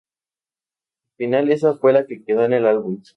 Al final esa fue la que quedó en el álbum.